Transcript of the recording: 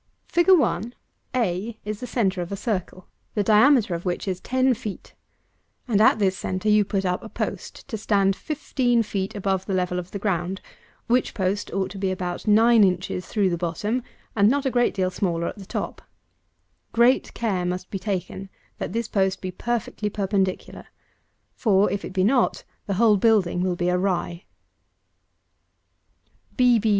241. FIG. 1, a, is the centre of a circle, the diameter of which is ten feet, and at this centre you put up a post to stand fifteen feet above the level of the ground, which post ought to be about nine inches through at the bottom, and not a great deal smaller at the top. Great care must be taken that this post be perfectly perpendicular; for, if it be not, the whole building will be awry.